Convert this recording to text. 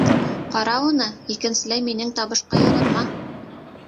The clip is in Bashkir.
Ҡара уны, икенселәй минең табышҡа йоғонма.